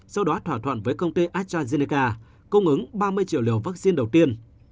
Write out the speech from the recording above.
sau đó thỏa thuận với công ty astrazeneca cung ứng ba mươi triệu liều vắc xin đầu tiên